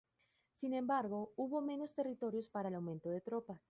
Sin embargo, hubo menos territorios para el aumento de tropas.